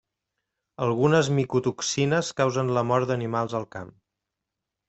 Algunes micotoxines causen la mort d'animals del camp.